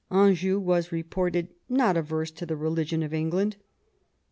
Anjou was re ported ' not averse to the religion*' of England.